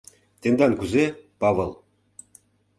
Тендан кузе, Павыл?